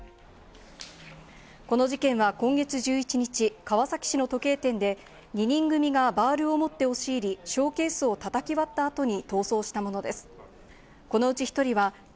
この事件は今月１１日、川崎市の時計店で、２人組がバールを持って押し入り、ショーケースをたたき割った後に逃走したものです。